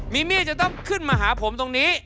มีมี่จะต้องขึ้นมาหาผมตรงนี้